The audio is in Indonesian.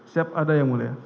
siap ada ya mulia